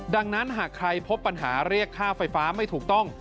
ดังนั้นหากใครพบปัญหาเรียกค่าไฟฟ้าไม่ถูกต้อง